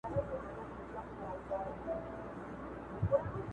هم هغه ورته خوب کې راځي